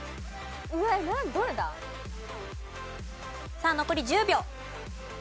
さあ残り１０秒。